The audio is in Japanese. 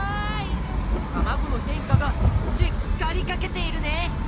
たまごの変化がしっかりかけているね！